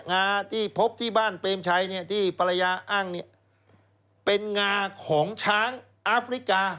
งาที่พบที่บ้านเปรมชัยเนี่ยที่ภรรยาอ้างเนี่ยเป็นงาของช้างอาฟริกา